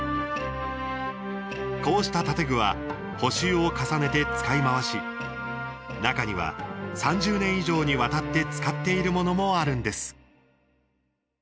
こうした建具は補修を重ねて使い回し中には、３０年以上にわたって使っているものもあるんです。